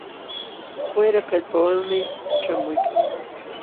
Wayra kallpawanmi ćhaamuykan.